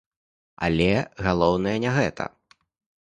Але галоўнае не гэта.